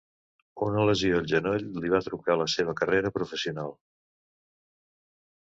Una lesió al genoll li va truncar la seva carrera professional.